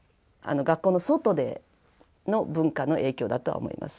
学校の外での文化の影響だとは思います。